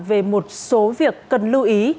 về một số việc cần lưu ý